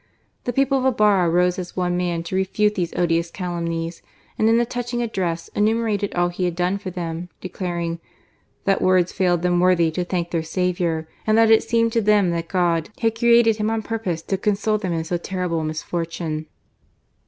Tjxp people of Ibarr^ rose as one man to refute these <^ious calumni^^9 and in a touching address enu ^ Iterated all he had done for them, declaring *' that words failed them worthily to thank their saviour, and that it seemed to them that God had created him on purpose to console them in so terrible a misfortune."